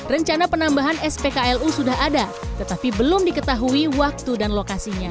rencana penambahan spklu sudah ada tetapi belum diketahui waktu dan lokasinya